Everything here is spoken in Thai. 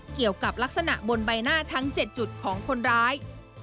เกี่ยวกับลักษณะบนใบหน้าทั้ง๗จุดของคนร้าย